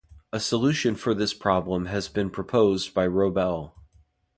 A solution for this problem has been proposed by Roebel.